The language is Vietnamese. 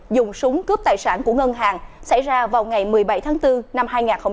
dùng súng cướp tài sản của ngân hàng xảy ra vào ngày một mươi bảy tháng bốn năm hai nghìn hai mươi